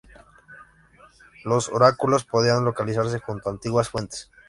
Los oráculos podían localizarse junto a antiguas fuentes.